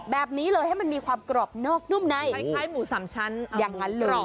แบบนี้เลยให้มันมีความกรอบนอกนุ่มในคล้ายหมูสามชั้นอย่างนั้นเลย